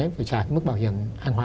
để trả mức bảo hiểm hàng hóa